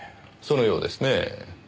そのようですねぇ。